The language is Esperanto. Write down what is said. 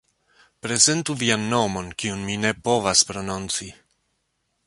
Prezentu vian nomon, kiun mi ne povas prononci